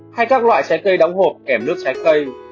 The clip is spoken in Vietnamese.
hay các loại trái cây đóng hộp kèm nước trái cây